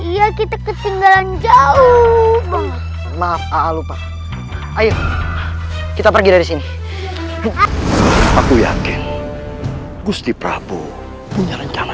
iya kita ketinggalan jauh maaf lupa ayo kita pergi dari sini aku yakin gusti prabu punya rencana